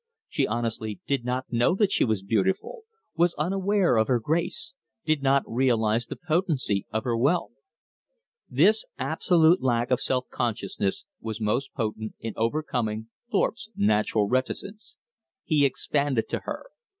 She honestly did not know that she was beautiful; was unaware of her grace; did not realize the potency of her wealth. This absolute lack of self consciousness was most potent in overcoming Thorpe's natural reticence. He expanded to her.